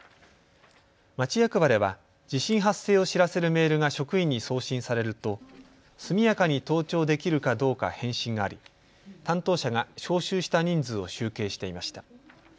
町役場では地震発生を知らせるメールが職員に送信されると速やかに登庁できるかどうか返信があり担当者が招集した人数を集計していました。